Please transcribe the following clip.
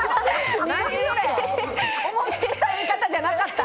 思ってた言い方じゃなかった。